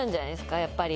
やっぱり。